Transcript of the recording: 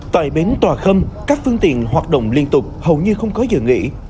tại bến tòa khâm các phương tiện hoạt động liên tục hầu như không có giờ nghỉ